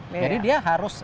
jadi dia harus